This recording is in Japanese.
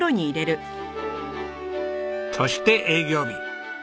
そして営業日。